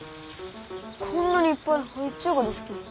こんなにいっぱい生えちゅうがですき。